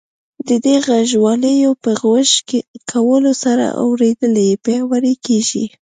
د دې غوږوالیو په غوږ کولو سره اورېدل یې پیاوړي کیږي.